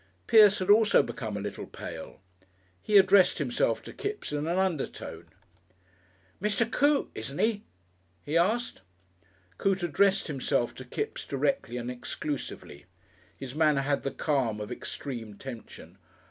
Pierce had also become a little pale. He addressed himself to Kipps in an undertone. "Mr. Coote, isn't he?" he asked. Coote addressed himself to Kipps directly and exclusively. His manner had the calm of extreme tension.